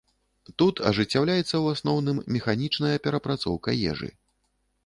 Тут ажыццяўляецца, у асноўным, механічная перапрацоўка ежы.